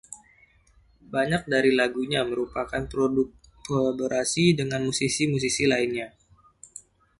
Banyak dari lagunya merupakan produk kolaborasi dengan musisi-musisi lainnya.